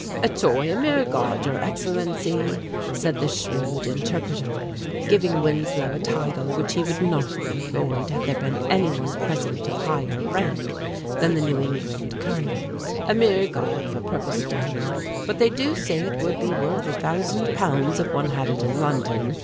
"A toy, a mere gaud, your Excellency," said the shrewd interpreter, giving Winslow a title which he would not have employed had there been any one present of higher rank than the New England Colonel. "A mere gaud of a purple stone; but they do say it would be worth a thousand pounds if one had it in London.